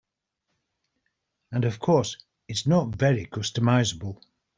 And of course, it's not very customizable.